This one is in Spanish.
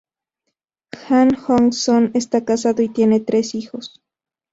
Han Hong-soon está casado y tiene tres hijos.